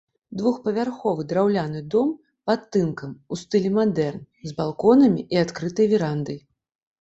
Двухпавярховы драўляны дом пад тынкам у стылі мадэрн з балконамі і адкрытай верандай.